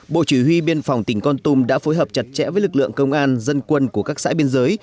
bộ chỉ huy biên phòng tỉnh con tum đã phối hợp chặt chẽ với lực lượng công an dân quân của các xã biên giới